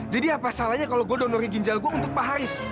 jadi apa salahnya kalau gue donori ginjal gue untuk pak haris